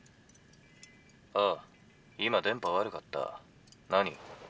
「あ今電波悪かった。何？」。